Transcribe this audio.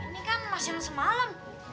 ini kan mas yang semalam